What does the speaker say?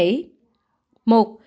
một đỗ anh dũng